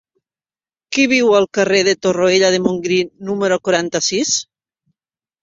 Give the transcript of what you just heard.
Qui viu al carrer de Torroella de Montgrí número quaranta-sis?